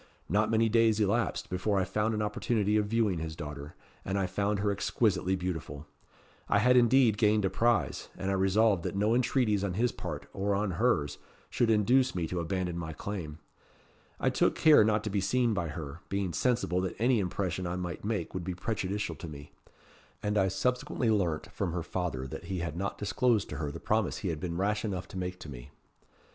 Not many days elapsed before I found an opportunity of viewing his daughter, and I found her exquisitely beautiful. I had indeed gained a prize; and I resolved that no entreaties on his part, or on hers, should induce me to abandon my claim. I took care not to be seen by her, being sensible that any impression I might make would be prejudicial to me; and I subsequently learnt from her father that he had not disclosed to her the promise he had been rash enough to make to me.